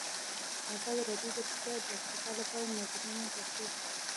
ازادي راډیو د روغتیا د ارتقا لپاره نظرونه راټول کړي.